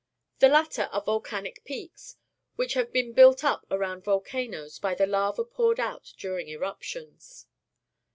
The latter are volcanic peaks, which have been built up around volcanoes by the lava poured out during eruptions.